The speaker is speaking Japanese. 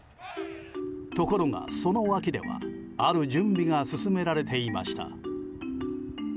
ところがその脇ではある準備が進められていました。